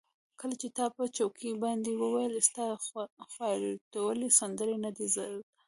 کله چې تا په چوکیو باندې وولي، ستا خو ایټالوي سندرې نه دي زده.